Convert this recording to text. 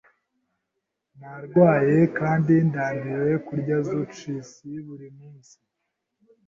Ndarwaye kandi ndambiwe kurya zucchinis buri munsi.